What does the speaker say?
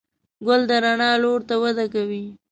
ګل د رڼا لور ته وده کوي.